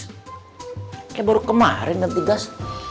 kayaknya baru kemarin ganti gas